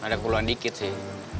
ada keperluan dikit sih